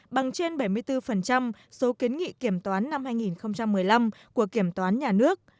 bằng trên bảy mươi bốn số kiến nghị kiểm toán năm hai nghìn một mươi năm của kiểm toán nhà nước